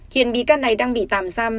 hiện bị căn này đang bị tạm giam